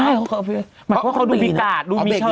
ใช่เขาเขาดูมีกาดดูมีชอบ